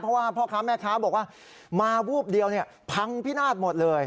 เพราะว่าพ่อค้าแม่ค้าบอกว่ามาวูบเดียวพังพินาศหมดเลย